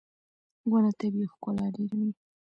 • ونه طبیعي ښکلا ډېروي.